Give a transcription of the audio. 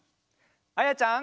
あやちゃん。